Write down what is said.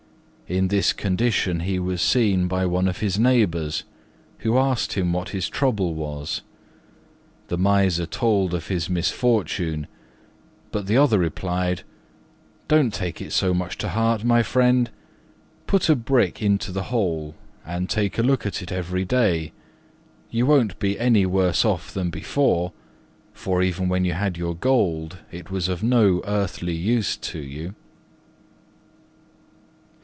In this condition he was seen by one of his neighbours, who asked him what his trouble was. The Miser told him of his misfortune; but the other replied, "Don't take it so much to heart, my friend; put a brick into the hole, and take a look at it every day: you won't be any worse off than before, for even when you had your gold it was of no earthly use to you."